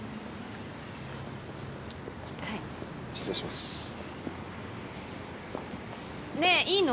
はい。